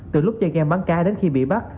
từ lúc chơi gam bắn cá đến khi bị bắt